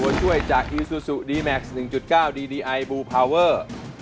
ส่วนช่วยจากอีซูซูดีแม็กซ์หนึ่งจุดเก้าดีดีไอบูพาเวอร์